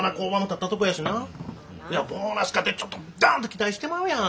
いやボーナスかてちょっとドンって期待してまうやん。